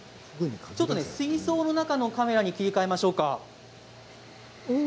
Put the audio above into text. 水槽の中のカメラに切り替えましょうか。